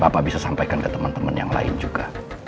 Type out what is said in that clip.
bapak bisa sampaikan ke teman teman yang lain juga